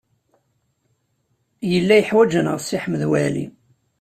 Yella yeḥwaj-aneɣ Si Ḥmed Waɛli.